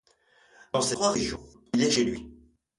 Dans ces trois régions, il est chez lui.